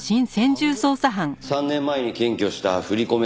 ３年前に検挙した振り込め